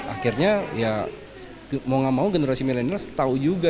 akhirnya ya mau gak mau generasi milenial tahu juga